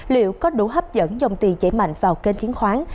liệu có đủ hấp dẫn dòng tiền chảy mạnh vào kênh chiến khoán